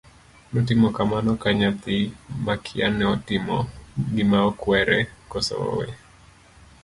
notimo kamano ka nyathi makia ni to otim gima okwere koso owe